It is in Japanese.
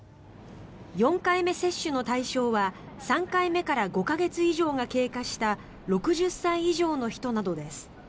４回目接種の対象は３回目から５か月以上が経過した６０歳以上の人などです。